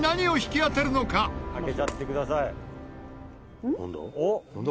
「開けちゃってください」なんだ？